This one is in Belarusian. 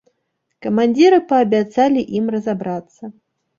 Камандзіры паабяцалі ім разабрацца.